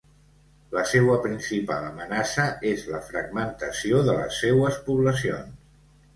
La seua principal amenaça és la fragmentació de les seues poblacions.